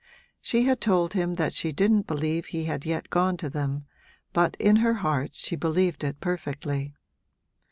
She had told him that she didn't believe he had yet gone to them, but in her heart she believed it perfectly.